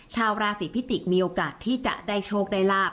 ชาวราศีพิจิกษ์มีโอกาสที่จะได้โชคได้ลาบ